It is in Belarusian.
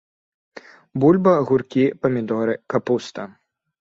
Бульба, гуркі, памідоры, капуста.